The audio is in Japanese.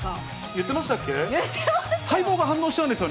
言ってましたよ。